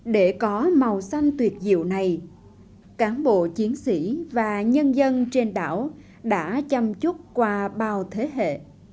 để có màu xanh tuyệt diệu này cán bộ chiến sĩ và nhân dân trên đảo đã chăm chút qua bao thế hệ